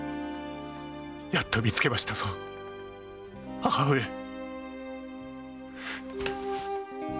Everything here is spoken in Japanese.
やっと見つけましたぞ母上！